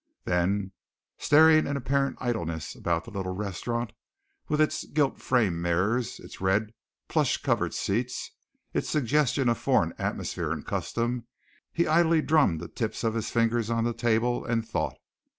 Then, staring in apparent idleness about the little restaurant, with its gilt framed mirrors, its red, plush covered seats, its suggestion of foreign atmosphere and custom, he idly drummed the tips of his fingers on the table, and thought.